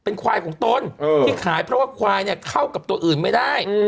เป็นควายของตนที่ขายเพราะว่าควายเนี่ยเข้ากับตัวอื่นไม่ได้